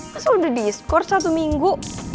masa udah diskors satu minggu